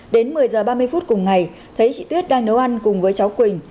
đến một mươi h ba mươi phút cùng ngày thấy chị tuyết đang nấu ăn cùng với cháu quỳnh